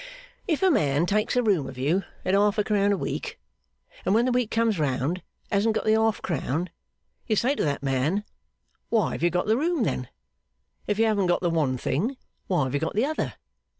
'If a man takes a room of you at half a crown a week, and when the week comes round hasn't got the half crown, you say to that man, Why have you got the room, then? If you haven't got the one thing, why have you got the other?